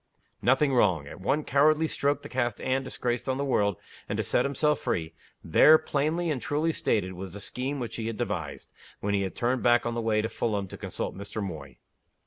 Nothing wrong. At one cowardly stroke to cast Anne disgraced on the world, and to set himself free there, plainly and truly stated, was the scheme which he had devised, when he had turned back on the way to Fulham to consult Mr. Moy.